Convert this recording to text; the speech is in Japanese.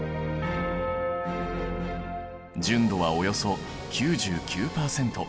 純度はおよそ９９％。